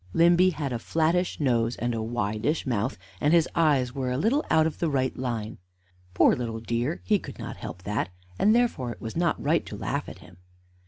Limby had a flattish nose and a widish mouth, and his eyes were a little out of the right line. Poor little dear, he could not help that and therefore it was not right to laugh at him.